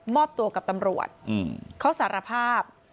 อบตัวกับตำรวจเขาสารภาพ